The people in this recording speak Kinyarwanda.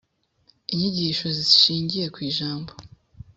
inyigisho zishingiye ku ijambo